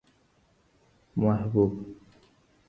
محبوب